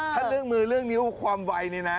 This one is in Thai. ถ้าเรื่องมือเรื่องนิ้วความไวนี่นะ